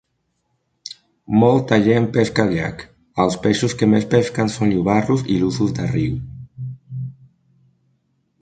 Molta gent pesca al llac. Els peixos que més pesquen són llobarros i lluços de riu.